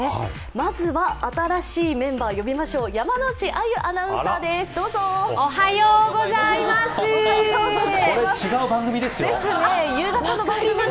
まずは新しいメンバー呼びましょう、山内あゆアナウンサーです、どうぞおはようございます。